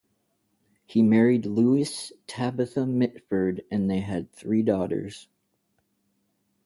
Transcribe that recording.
He married Lewis Tabitha Mitford and they had three daughters.